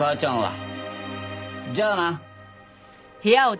じゃあな。